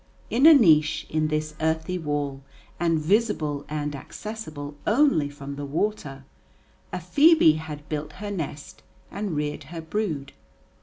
In a niche in this earthy wall, and visible and accessible only from the water, a phœbe had built her nest and reared her brood.